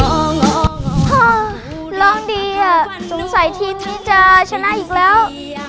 โอ้โหร้องดีอ่ะสงสัยทีมนี้จะชนะอีกแล้ว